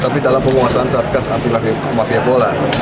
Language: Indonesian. tapi dalam penguasaan saat kas anti mafia bola